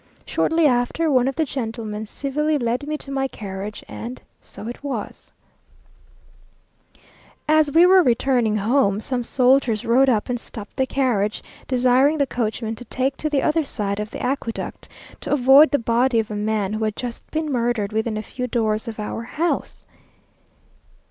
Shortly after, one of the gentlemen civilly led me to my carriage, and so it was. As we were returning home, some soldiers rode up and stopped the carriage, desiring the coachman to take to the other side of the aqueduct, to avoid the body of a man who had just been murdered within a few doors of our house.